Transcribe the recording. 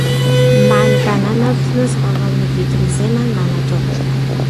,მან განანათლნეს ყოველნი, ვით მზემან მანათობელმან.